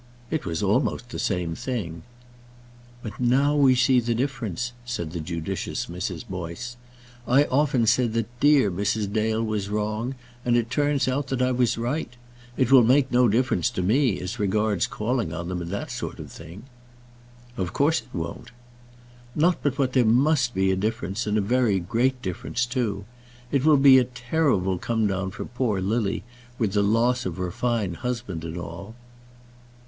"It was almost the same thing." "But now we see the difference," said the judicious Mrs. Boyce. "I often said that dear Mrs. Dale was wrong, and it turns out that I was right. It will make no difference to me, as regards calling on them and that sort of thing." "Of course it won't." "Not but what there must be a difference, and a very great difference too. It will be a terrible come down for poor Lily, with the loss of her fine husband and all."